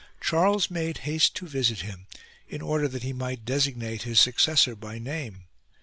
Charles made haste to visit him, in order that he might designate his successor by name.